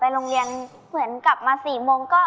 โรงเรียนเหมือนกลับมา๔โมงก็